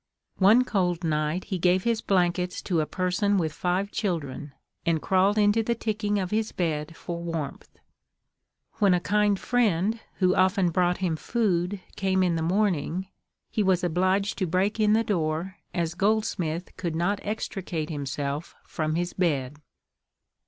One cold night he gave his blankets to a person with five children, and crawled into the ticking of his bed for warmth. When a kind friend, who often brought him food, came in the morning, he was obliged to break in the door, as Goldsmith could not extricate himself from his bed.